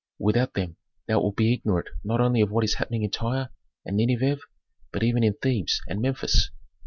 Without them thou wilt be ignorant not only of what is happening in Tyre and Nineveh, but even in Thebes and Memphis."